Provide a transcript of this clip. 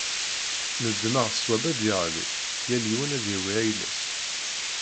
Neḍmeɛ ṣṣwab ad d-yeɣli, yal yiwen ad yawi ayla-s.